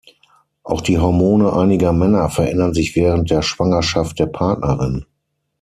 Auch die Hormone einiger Männer verändern sich während der Schwangerschaft der Partnerin.